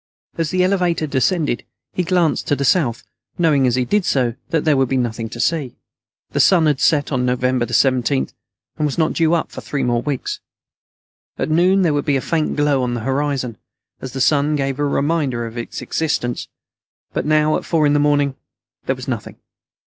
As the elevator descended, he glanced to the south, knowing as he did so that there would be nothing to see. The sun had set on November 17th, and was not due up for three more weeks. At noon, there would be a faint glow on the southern horizon, as the sun gave a reminder of its existence, but now, at four in the morning, there was nothing.